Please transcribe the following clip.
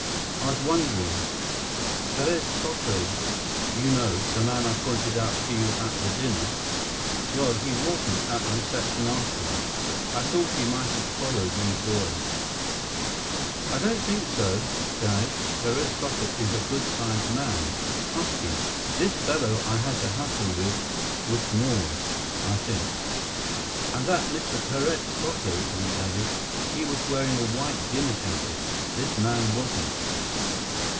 "I was wondering. Perez Soto—you know, the man I pointed out to you at the dinner—well, he wasn't at the reception afterward. I thought he might have followed you boys." "I don't think so, Dad. Perez Soto is a good sized man. Husky. This fellow I had the hassle with was smaller, I think." "And that Mr. Perez Soto," Li added, "he was wearing a white dinner jacket. This man wasn't."